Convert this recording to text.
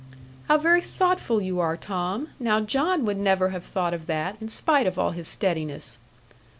'How very thoughtful you are, Tom! Now John would never have thought of that, in spite of all his steadiness.'